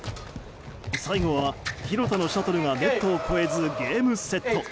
最後は、廣田のシャトルがネットを越えずゲームセット。